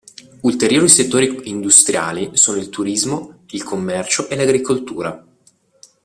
Ulteriori settori industriali sono il turismo, il commercio e l'agricoltura.